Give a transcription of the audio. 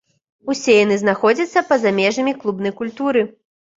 Усе яны знаходзяцца па-за межамі клубнай культуры.